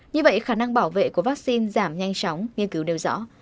như vậy khả năng bảo vệ của vaccine giảm nhanh chóng nghiên cứu đều rõ